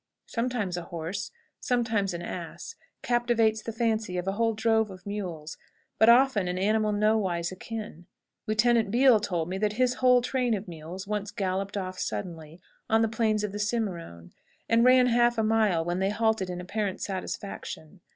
Sometimes a horse, sometimes an ass, captivates the fancy of a whole drove of mules, but often an animal nowise akin. Lieutenant Beale told me that his whole train of mules once galloped off suddenly, on the plains of the Cimarone, and ran half a mile, when they halted in apparent satisfaction.